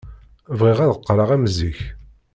Bɣiɣ ad qqleɣ am zik.